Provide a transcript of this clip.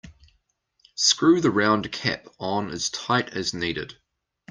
Screw the round cap on as tight as needed.